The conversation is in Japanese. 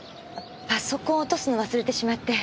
パソコンを落とすのを忘れてしまって。